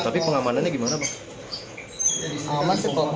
pengamanan sih kalau pengamanan